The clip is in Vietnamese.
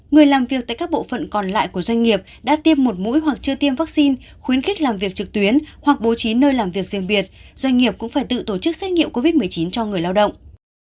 người làm việc tại các bộ phận còn lại của doanh nghiệp đã tiêm một mũi hoặc chưa tiêm vaccine khuyến khích làm việc trực tuyến hoặc bố trí nơi làm việc riêng biệt doanh nghiệp cũng phải tự tổ chức xét nghiệm covid một mươi chín cho người lao động